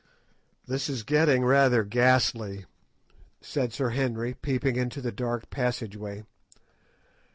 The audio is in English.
"This is getting rather ghastly," said Sir Henry, peeping into the dark passageway.